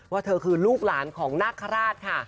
ว่าเธอคือลูกหลานของนาคาราชค่ะ